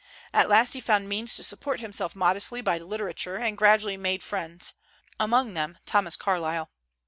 At last he found means to support himself modestly by literature, and gradually made friends, among them Thomas Carlyle.